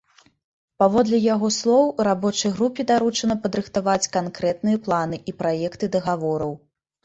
Паводле яго слоў, рабочай групе даручана падрыхтаваць канкрэтныя планы і праекты дагавораў.